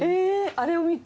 あれを見て？